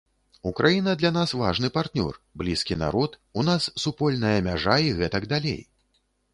Украіна для нас важны партнёр, блізкі народ, у нас супольная мяжа і гэтак далей.